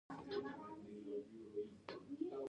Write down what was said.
موږ د ویرې دفاع کوو.